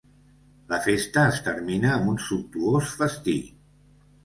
La festa es termina amb un sumptuós festí.